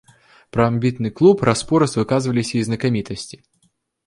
Пра амбітны клуб раз-пораз выказваліся і знакамітасці.